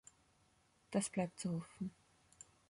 Das bleibt zu hoffen.